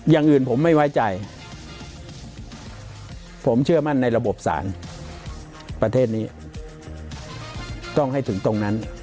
อย่างอื่นผมไม่ไว้ใจผมเชื่อมั่นในระบบสารประเทศนี้ต้องให้ถึงตรงนั้น